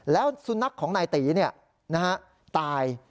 แล้วสุนัขของนายตีตาย